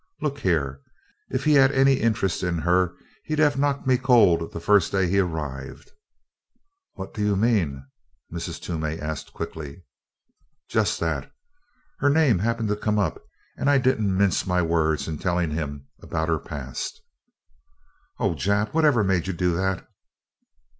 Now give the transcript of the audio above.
Look here if he'd had any interest in her he'd have knocked me cold the first day he arrived." "What do you mean?" Mrs. Toomey asked quickly. "Just that. Her name happened to come up, and I didn't mince my words in telling him about her past." "Oh, Jap! Whatever made you do that?"